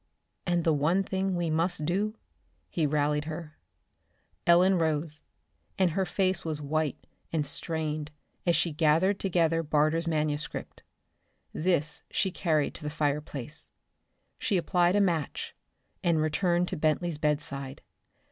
"And the one thing we must do?" he rallied her. Ellen rose, and her face was white and strained as she gathered together Barter's manuscript. This she carried to the fireplace. She applied a match and returned to Bentley's bedside.